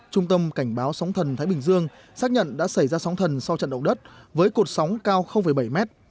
trung tâm cảnh báo sóng thần thái bình dương xác nhận đã xảy ra sóng thần so với trận động đất với cột sóng cao bảy m